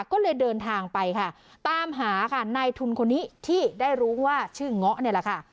ก็เลยเดินทางไปค่ะตามหาค่ะนายทุนคนนี้ที่ได้รู้ว่าชื่อเงาะนี่แหละค่ะ